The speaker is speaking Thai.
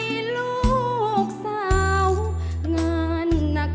เพลงที่สองเพลงมาครับ